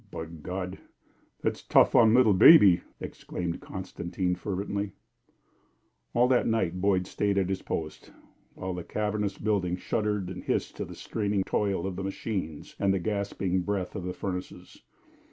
"By God! That's tough on little baby!" exclaimed Constantine, fervently. All that night Boyd stayed at his post, while the cavernous building shuddered and hissed to the straining toil of the machines and the gasping breath of the furnaces.